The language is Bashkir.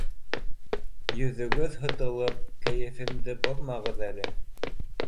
Йөҙөгөҙ һытылып — кәйефемде боҙмағыҙ әле.